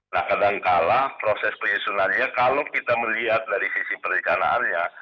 nah kadangkala proses penyusunannya kalau kita melihat dari sisi perencanaannya